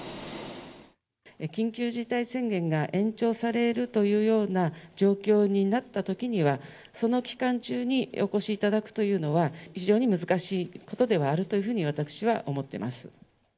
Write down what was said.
緊急事態宣言が延長されるというような状況になったときには、その期間中にお越しいただくというのは、非常に難しいことではあるというふうに、私は思ってます。